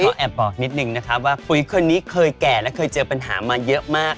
ก็แอบบอกนิดนึงนะครับว่าปุ๋ยคนนี้เคยแก่และเคยเจอปัญหามาเยอะมาก